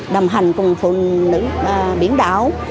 đồng hành cùng phụ nữ biển đảo